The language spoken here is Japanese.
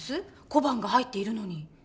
小判が入っているのに。